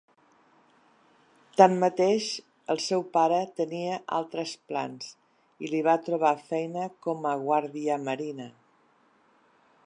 Tanmateix, el seu pare tenia altres plans i li va trobar feina com a guardiamarina.